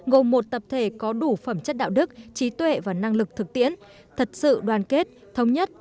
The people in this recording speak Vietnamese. gồm một tập thể có đủ phẩm chất đạo đức trí tuệ và năng lực thực tiễn thật sự đoàn kết thống nhất